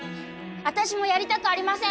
私もやりたくありません！